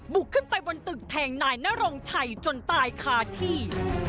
ขึ้นไปบนตึกแทงนายนรงชัยจนตายคาที่